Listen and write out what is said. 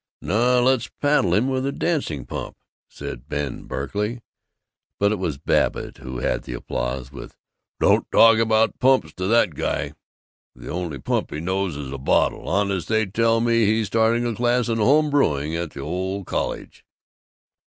"No, let's paddle him with a dancing pump!" said Ben Berkey. But it was Babbitt who had the applause, with "Don't talk about pumps to that guy! The only pump he knows is a bottle! Honest, they tell me he's starting a class in home brewing at the ole college!"